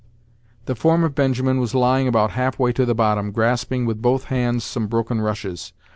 The form of Benjamin was lying about half way to the bottom, grasping with both hands some broken rushes.